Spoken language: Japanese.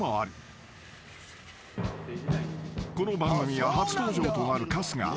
［この番組は初登場となる春日］